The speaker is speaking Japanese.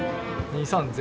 ２３０。